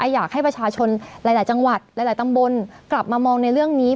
อยากให้ประชาชนหลายจังหวัดหลายตำบลกลับมามองในเรื่องนี้